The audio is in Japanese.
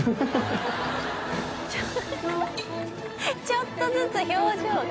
ちょっとずつ表情が。